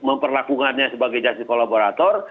memperlakungannya sebagai justice collaborator